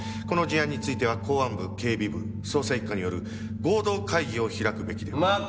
この事案については公安部警備部捜査一課による合同会議を開くべきでは？